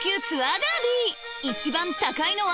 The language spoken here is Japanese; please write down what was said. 一番高いのは？